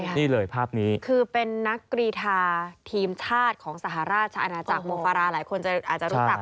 ใช่ครับคือเป็นนักกีฐาทีมชาติของสหราชาณาจังโมฟาราหลายคนอาจจะรู้จัก